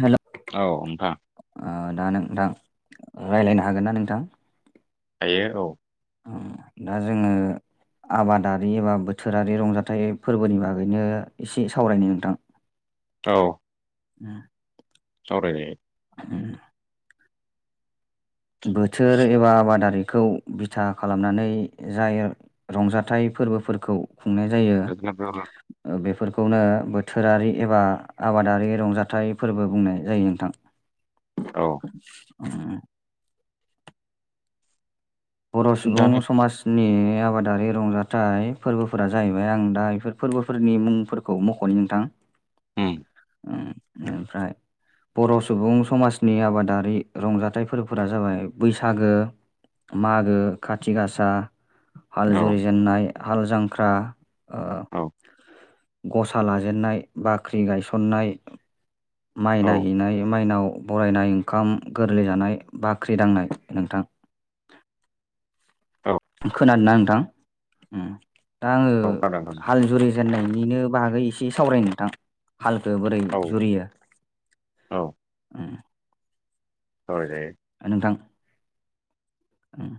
Hello औ नोंथां । ओ दा नोंथां रायज्लायनो हागोन ना नोंथां? हायो औ । उम दा जोङो आबादारि एबा बोथोरारि रंजाथाइ फोरबोनि बागैनो एसे सावरायनो नोंथां? औ ओ सावरायनाय उम बोथोर एबा आबादारि खौ बिथा खालामनानै जाय रंजाथाइ फोरबोफोरखौ खुंनाय जायो गोजोननाय थाबाय। ओ बेफोर खौनो बोथोरारि एबा आबादारि रंजाथाइ फोरबो बुंनाय जायो नोंथां औ । [unintelligible] बर' सुबुं नोंथां समाजनि बे आबादारि रंजाथाइ फोरबोफोरा जाहैबाय आं दा बेफोर फोरबोफोरनि मुंफोरखौ मख'नो नोंथां । [inaudible] उम उम ओमफ्राय बर' सुबुं समाजनि आबादारि रंजाथाइ फोरफोरा जाबाय बैसागो मागो खाथि गासा हाल औ जुरिजेननाय हाल जांख्रा ओ, औ गसा लाजेननाय बाख्रि गायसननाय माइ औ नायहैनाय माइनाव बरायनाय ओंखाम गोरलै जानाय बाख्रि दांनाय नोंथां औ खोनादोंना नोंथां दा आङो औ खोनादों खोनादों। हाल जुरि जेननायनि बिनो बागै एसे सावरायनोथां। हालखौो बोरै औ जुरियो सावराय जायो नोंथां उम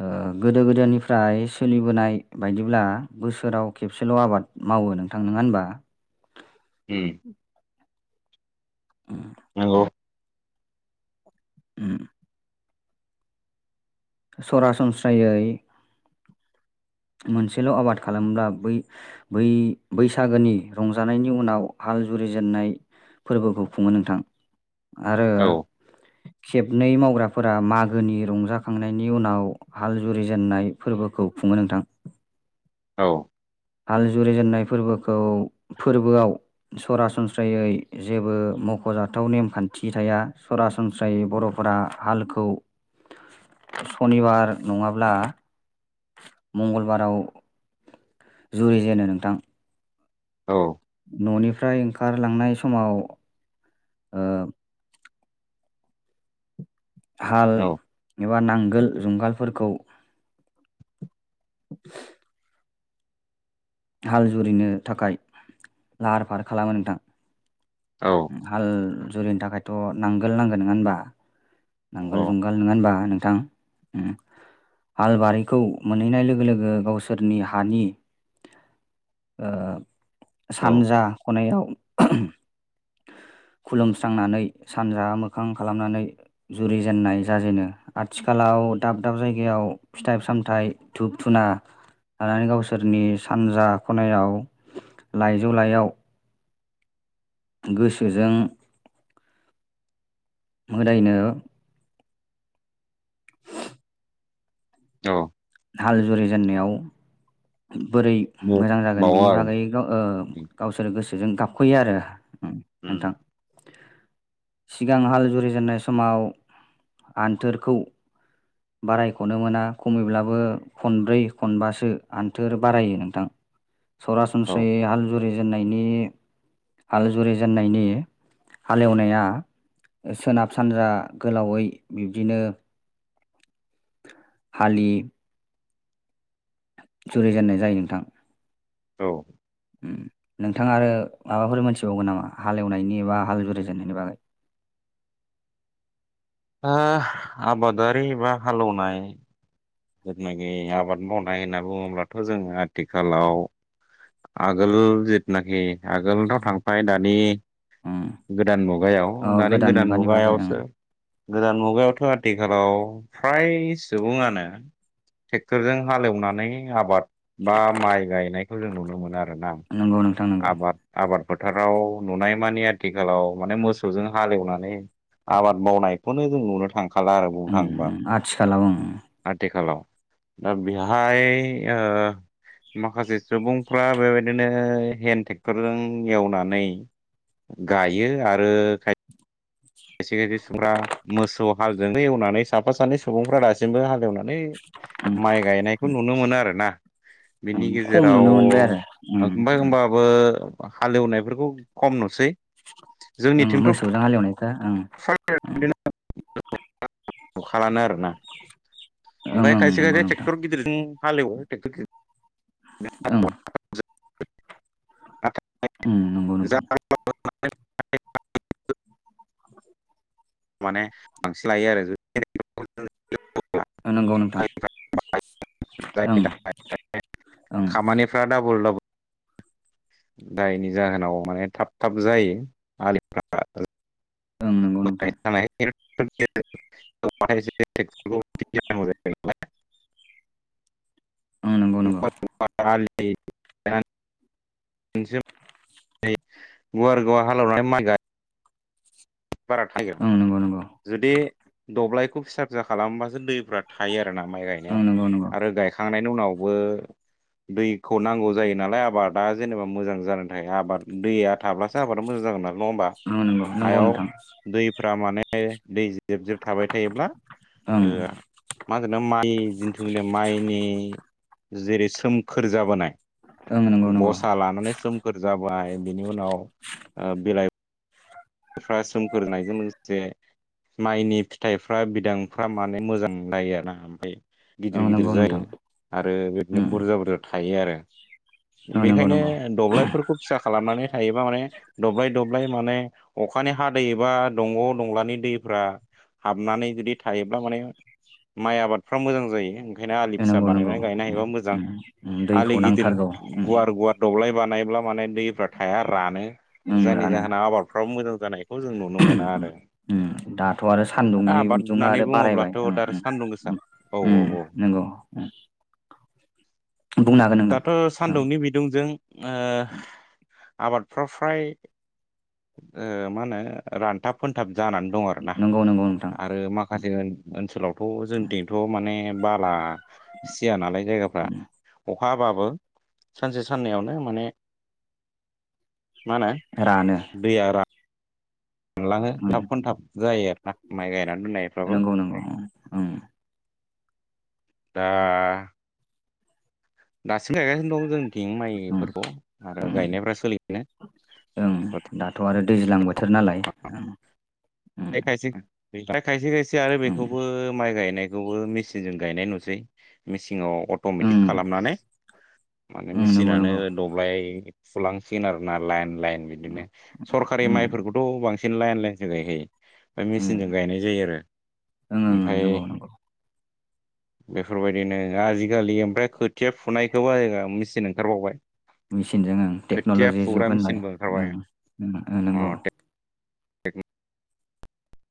ओ गोदो गोदायनिफ्राय सोलिबोनाय बायदिब्ला बोसोराव खेबसेल' आबाद मावो नोंथां नङा होनबा। हम [unintelligible] [inaudible] नंगौ उम सरासनस्रायै मोनसेल' आबाद खालामोब्ला बै-बै-बैसागोनि रंजानायनि उनाव हा हाल जुरिजेननाय फोरबोखौ खुङो नोंथां आरो औ खेबनै मावग्राफोरा मागोनि रंजाखांनायनि उनाव हाल जुरिजेननाय फोरबोखौ खुंङो नोंथां। औ हाल जुरिजेननाय फोरबोखौ फोरबोआव सरासनस्रायै जेबो मख'जाथाव नेमखान्थि थाया सरासनस्रायै बर'फोरा हालखौ सनिबार नङाब्ला मंगलबाराव जुरि जेनो नोंथां। औ न'निफ्राय ओंखारलांनाय समाव ओ हाल एबा नांगोल जुंगालफोरखौ हाल जुरिनो थाखाय लाहार फाहार खालामो नोंथां। औ हाल जुरिनो थाखायथ' नांगोल नांगोन नङा होनबा। नांगोल औ जुंगाल नङा होनबा नोंथां। हालबारिखौ मोनहैनाय लोगो-लोगो गावसोरनि हानि ओ औ सानजा खनायाव [unintelligible] [inaudible] खुलुमस्रांनानै सानजा मोखां खालामनानै जुरिजेनन्नाय जाजेनो आथिखालाव दाब दाब जायगायाव फिथाइ सामथाइ धुप धुना लानानै गावसोरनि सानजा खनायाव लाइजौ लाायाव गोसोजों मोदायनो औ हाल जुरि जेननायाव बोरै मोजां जागोन बावो बिनि आं बागै गाव ओ गावसोरो गोसोजों गाबख'यो आरो उम नोंथां। सिगां हाल जुरिजेननाय समाव आन्थोरखौ बारायख'नो मोना खमैब्लाबो खनब्रै खनबासो आन्थोर बारायो नोंथां। औ सरासनस्रायै हाल जुरिजेननायनि हाल जुरि जेननायनि हालेवनाया सोनाब सानजा गोलावै बिब्दिनो हालि जुरि जेननाय जायो नोंथां। औ उम नोंथाङा आरो माबाफोर मोनथिबावगोन नामा? हालेवनायनि एबा हाल जुरिजेननायनि बागै। आ आबादारि एबा हालौनाय जेथुनाखि आबाद मावनाय होनना बुङोब्लाथ' जों आथिखालाव आगोल जिथुनाखि आगोलथ' थांबाय दानि उम गोदान मुगायाव अ दानि गोदान मुगानि बागै ओं मुगायावसो गोदान मुगायावथ' आथिखालाव फ्राय सुबुङानो ट्रेक्टरजों हालेवनानै आबाद बा माइ गायनायखौ जों नुनो मोनो आरो ना। नंगौ नोंथां नंगौ आबाद आबाद फोथाराव नुनाय मानि आथिखालाव माने मोसौजों हालेवनानै आबाद मावनायखौनो जों नुनो थांखाला आरो बुंनो उम थाङोबा उम आथिखालाव उम आथिखालाव । दा बिहाय ओ माखासे सुबुंफ्रा बेबायदिनो हेन्द ट्रेक्टरजों एवनानै गायो आरो खा खायसे खायसे सुबुंफ्रा मोसौ हालजोंनो एवनानै साफा सानै सुबुंफ्रा दासिमबो हालेवनानै उम माइ गायनायखौ उम नुनो मोनो आरोना। उम बिनि खम गेजेराव नुनो मोनबाय आरो उम ओह आमफाय उम होनबाबो हालेवनायफोरखौ खम नुसै ओं जोंनिथिंथ' मोसौजों हालेवनायखो ओं ओं । नुखालानो आरोना ओं ओमफ्राय ओं खायसे नंगौ खायसे नोंथां ट्रेक्टर गिदिरजों हालेवो टेक्टर गिदिर। ओं । ओं नंगौ नोंथां [unintelligible] माने बांसिन लायो आरो [unintelligible] ओ नंगौ नोंथां। [unintelligible] जायनि ओं थाखाय ओं खामानिफ्रा डाबल डाबल जायनि जाहोनाव माने थाब थाब जायो आलिफ्रा [unintelligible] ओं नंगौ नोंथां [unintelligible] [unintelligible] ओं नंगौ नंगौ। [unintelligible] मोनसे [unintelligible] गुवारगाव हालेवनानै माइ गाय बारा थायो। ओं नंगौ नंगौ जुदि दब्लायखौ फिसा फिसा खालामबासो दैफ्रा थायो आरो ना माइ ओं गायनायाव नंगौ नंगौ आरो गायखांनायनि उनावबो दैखौ नांगौ जायो नालाय आबादा जेनेबा मोजां जानानै थायो, आबाद दैया हाब्लासो आबादा मोजां जागोन आरो नङा होमबा ओं नंगौ नंगौ हायाव नोंथां दैफ्रा माने दै जेब जेब थाबाय थायोब्ला ओं ओ मा होनो माइ जिन्थुनो माइनि जेरै सोमखोर जाबोनाय ओं नंगौ नंगौ गसा लानानै सोमखोर जाबाय बिनि उनाव ओ बिलाइ फ्रा सोमखोर जानायजों लोगोसे माइनि फिथाइफ्रा बिदांफ्रा माने मोजां जायो आरो ना ओमफ्राय गिदिर ओं गिदिर नंगौ नोंथां जायो आरो बिदिनो उम बुरजा बुरजा थायो आरो । ओं नंगौ बेखायनो नंगौ दब्लायफोरखौ फिसा खालामनानै हायोबा माने दब्लाय दब्लाय माने अखानि हादैै एबा दंग' दंलानि दैफ्रा हाबनानै जुदि थायोब्ला माने माइ आबादफ्रा मोजां जायो। ओंखायनो आलि ओं फिसा नंगौ नंगौ बानायनानै गायनो उम हायोबा मोजां, उम उम आलि दैखौ गिदिर नांथारगौ उम गुवार गुवार दबलाय बानायब्ला माने दैफ्रा थाया रानो, उम जायनि रानो जाहोना आबादफ्राबो मोजां जानाय खौ जों नुनो मोना आरो। ओं दाथ' आरो सान्दुंनि आबाद बिदुङा होननानै आरो बारायबाय बुङोब्लाथ' ओं दा आरो ओं सान्दुं गोसा ओं औ औ ओं औ नंगौ। [inaudible] बुंनो हागोन नोंथां दाथ' ओं सान्दुंनि बिदुंजों आबादफाव फ्राय ओ मा होनो रानथाब फोनथाब जानानै दं आरो ना नंगौ नंगौ नोंथां आरो माखासे ओनसोलावथ' जोंथिथ' माने बाला सिया नालाय जायगाफ्रा अखााबाबो सानसे साननैयावनो माने मा होनो रानो मोनलाङो उम थाब खनथाब जायो आरोोना माइ गाय नंगौ नंगौ दा दासिम गायगासिनो दं जों थिं उम माइफोरखौ आरो ओं गायनायफ्रा सोलिगासिनो। ओं दाथ' आरो दैज्लां बोथोर नालाय। ओं खायसे खायसे खायसे आरो ओं बेखौबो माइ गायनाय खौबो मेचिनजों गायनाय नुसै मेचिनाव अट'मेटिक ओं खालामनानै माने ओं नंगौ मेसिनानो नंगौ दब्लाय फुलांसिगोन आरो ना लाइन लाइन बिदिनो सरखारि ओं माइफोरखौथ' बांसिन लाइन लाइनसो गायखायो। ओमफ्राय ओं मेचिनजों गायनाय जायो आरो ओं ओं ओमफ्राय नंगौ नंगौ बेफोरबायदिनो आजिखालि ओमफ्राय खोथिया फुनायखौबो मेचन ओंखारबावबाय मेसिनजों ओं खोथिया टेक्न'लजि फुग्रा जुग होनबाय मेचिनबो ओंखारबाय ओं नोंगौ। टेक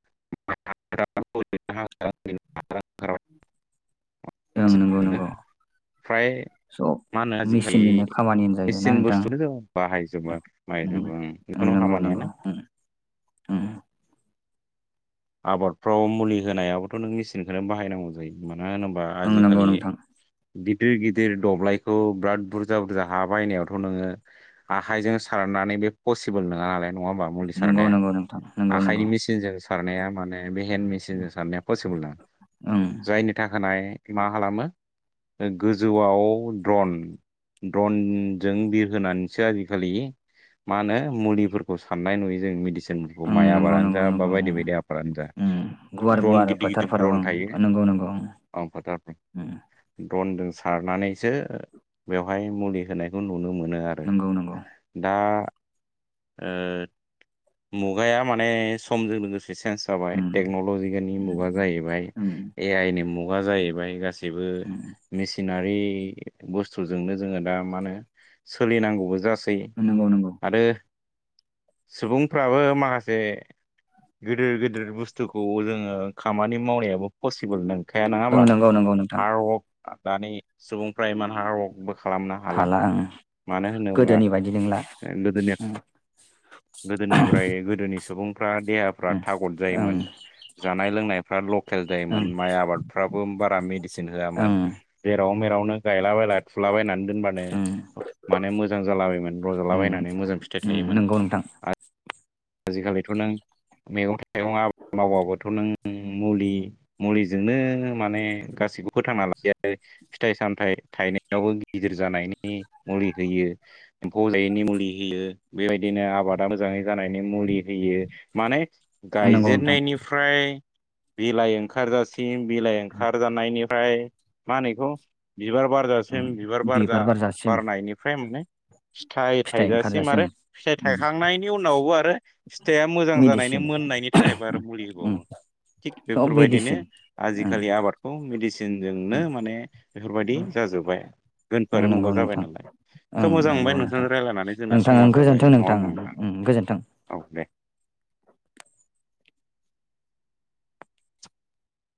[unintelligible] ओं नंगौ नंगौ। फ्राय सब मा होनो आजिखालि मेचिननिनो खामानि होनजायो ना मेचिन नोंथां बुस्थु बाहायजोबो ओम बाहायजोबो ओं बेखौ नंगौ नंगौ उम उम। आबादफ्राव मुलि होनायावोथ' नों मेचिनखौनो बाहायनांगौ जायो। मा होनोबा ओं नंगौ आजिखालि नोंथां गिदिर गिदिर दब्लायखौ बिराद बुरजा बुरजा हा बायनायावथ' नोङो आखायजों सार नानै बे पसिबोल नोङा नालाय नङा ओमबा बे मुलि नंगौ सारनाया नंगौ नोंथां नंगौ नंगौ आखायनि मेसिनजों साब्ला सारनाया माने बे हेन्द मेसिनजों सारनाया पसिबोल नङा ओं जायनि थाखानाय मा खालामो गोजौआव द्रन ड्रनजों बिरहोनानैसो आजिखालि मा होनो मुलिफोरखौ साननाय नुयो जों मेदिसिनफोरखौ ओं माइ नंगौ आबादानो नंगौ जा बा नंगौ ओम बायदि बायदि आ जा- ओम गुवार द्रन गुवार गिदिर गिदिर फोथारफोराव द्रन ओं थायो नंगौ नंगौ ओम ओन फाथारफोराव। द्रनजों सारनानैसो बेवहाय मुलि होनायखौ नुनो मो नो आरो नंगौ नंगौ दा ओ मुगाया माने समजों लोगोस चेन्स जाबाय ओम टेक्न'लजि नि ओम मुगा जाहैबाय उम ए आइ नि मुगा जाहैबाय गासि बो मेसिना रि बस्थुजोंनो जों दा मा होनो सोलिनांगौबो जास जयो नंगौ नंगौ आरो सुबुंफ्राबो माखासे गिदिर गिदिर बुस थुखौ जोङो खामानि मावनायाबो पसिबोल नोंखाया नङा होमबा ओं नंगौ नंगौ नोंथां हार्डवर्क दानि सुबुंफ्रा इमान हारवर्कबो खालामनो हाला मानो होनोब्ला गोदोनि बायदि नंला गोदोनि उम गोदोनिब्राय गोदोनि सुबुंफ्रा देहाफ्रा उम थागद ओं जायोमोन। जानाय लोंनायफ्रा लकेल ओं जायोमोन माइ आबादफ्राबो बारा मेडिसिन होआमोन ओं जेराव मेरावनो गायलाबाय ला थुलाबायनानै दोनबानो ओं माने मोजां जालाबायोमोन उम रजलाबायनानै मोजां फिथाइ उम थायोमोन। नंगौ नोंथां आजिखालिथ' नों मैगं थाइगं आबाद मावाबोथ' नों मुलि मुलिजोंनो माने गासैखौबो फोथांना लासै आरो फिथाइ सामथाइ थायनायावबो गिदिर जानायनि मुलि होयो एम्फौजायैनि मुलि होयो बेबाय दिनो आबादा मोजाङै जानाय मुलि होयो माने नंगौ नोंथां गायजेननायनिफ्राय बिलाइ ओंखारजासिम बिलाइ ओंखारजानायनिफ्राय मा होनो इखौ बिबार उम बारजासिम बिबार बारजा बारनायनिफ्राय माने फिथाइ थाइजासिम आरो फिथाइ उम थायखांनायनि उनाव फिथाइआ मोजां जानायनि मेडिसिन मोन नायनि थाखायबो आरो मुलि उम होबावो। थिग बेफोर सब बायदिनो मेडिसिन ओं आजिखालि आबादखौ मेडिसिन जोंनो ओं माने बेफोरबायदि जा जोबबाय दोनखो ओं आरो मुगा नंगौ जाबाय नोंथां नालाय, खोब ओं मोजां मोनबाय नंगौ नोंथां नोंथांजों रायज्लायनानै जोंना नोंथां ओं समाज जाबाय गोजोन्थों नङा नोंथां होमबा नोंथांबा? ओं गोजोन्थों औ। दे,